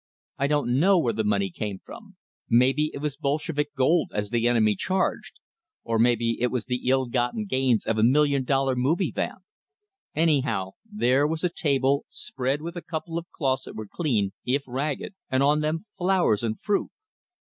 I don't know where the money came from; maybe it was Bolshevik gold, as the enemy charged, or maybe it was the ill gotten gains of a "million dollar movie vamp." Anyhow, there was a table spread with a couple of cloths that were clean, if ragged, and on them flowers and fruit.